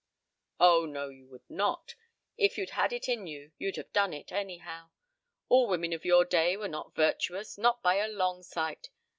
"Oh, no, you would not. If you'd had it in you you'd have done it, anyhow. All women of your day were not virtuous not by a long sight.